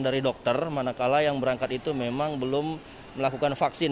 dari dokter manakala yang berangkat itu memang belum melakukan vaksin